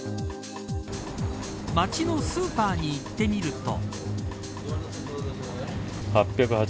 街のスーパーに行ってみると。